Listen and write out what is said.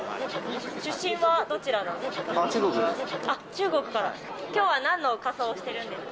出身はどちらなんですか？